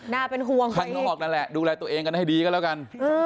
น่าเป็นห่วงค่ะข้างนอกนั่นแหละดูแลตัวเองกันให้ดีก็แล้วกัน